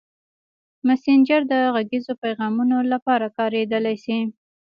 مسېنجر د غږیزو پیغامونو لپاره کارېدلی شي.